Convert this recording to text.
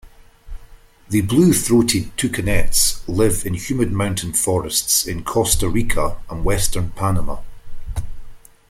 The blue-throated toucanets live in humid mountain forests in Costa Rica and western Panama.